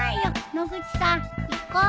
野口さん行こ。